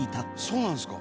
「そうなんですか！」